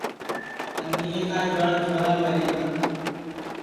کنیئے کا جُوان چھورا مری گا